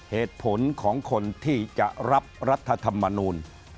เหตุผลของคนที่จะรับรัฐธรรมนูล